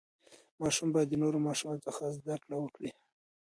ماشوم باید د نورو ماشومانو څخه زده کړه وکړي.